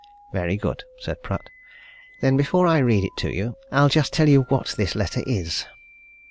"Very good," said Pratt. "Then before I read it to you, I'll just tell you what this letter is.